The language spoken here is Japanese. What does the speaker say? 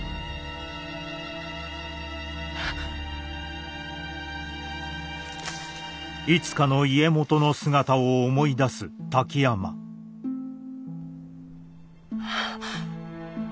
はっ。はあ。